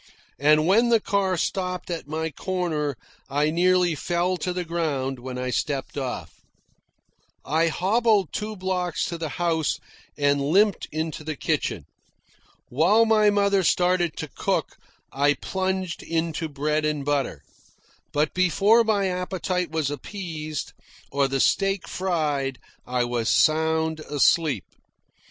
And when the car stopped at my corner I nearly fell to the ground when I stepped off. I hobbled two blocks to the house and limped into the kitchen. While my mother started to cook, I plunged into bread and butter; but before my appetite was appeased, or the steak fried, I was sound asleep.